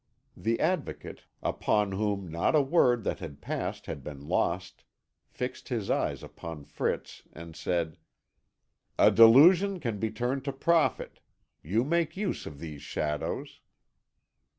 The Advocate, upon whom not a word that had passed had been lost, fixed his eyes upon Fritz, and said: "A delusion can be turned to profit. You make use of these shadows."